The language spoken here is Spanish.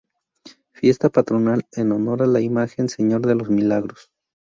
Fiesta patronal en honor a la Imagen señor de los Milagros.